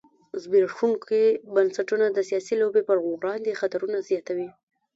زبېښونکي بنسټونه د سیاسي لوبې پر وړاندې خطرونه زیاتوي.